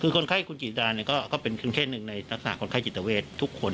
คือคนไข้คุณจิตราก็เป็นเช่นหนึ่งในทักษะคนไข้จิตเตอร์เวชทุกคน